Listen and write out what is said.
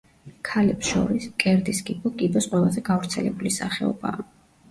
ქალებს შორის, მკერდის კიბო კიბოს ყველაზე გავრცელებული სახეობაა.